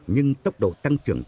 nhưng tốc độ tăng trưởng